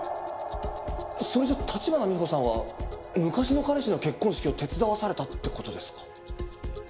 それじゃあ立花美穂さんは昔の彼氏の結婚式を手伝わされたって事ですか。